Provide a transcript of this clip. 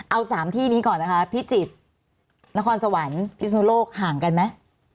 เอา๓ที่นี้ก่อนนะคะพิจิตรนครสวรรค์พิศนุโลกห่างกันไหม